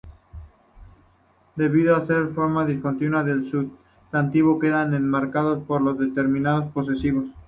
Debido a la forma discontinua, el sustantivo quedan enmarcado por los determinantes posesivos.